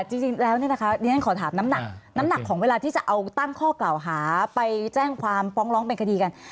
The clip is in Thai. ใช่คือไม่ใช่ข้อกล่าวหาไปแจ้งความฟ้องร้องเป็นคดีกัน